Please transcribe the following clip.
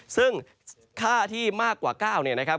ซึ่งค่าที่มากกว่า๙เนี่ยนะครับ